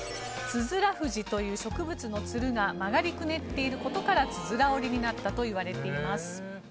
ツヅラフジという植物のツルが曲がりくねっている事からつづら折りになったといわれています。